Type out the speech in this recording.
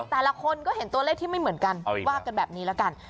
แต่ละคนก็เห็นตัวเลขที่ไม่เหมือนกันว่ากันแบบนี้ละกัน